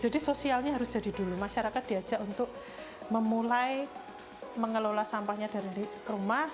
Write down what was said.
jadi sosialnya harus jadi dulu masyarakat diajak untuk memulai mengelola sampahnya dari rumah